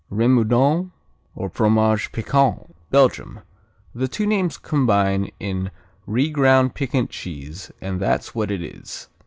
Remoudon, or Fromage Piquant Belgium The two names combine in re ground piquant cheese, and that's what it is.